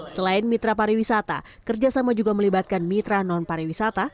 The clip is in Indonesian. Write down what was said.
selain mitra pariwisata kerjasama juga melibatkan mitra non pariwisata